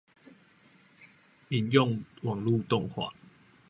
引用網路動畫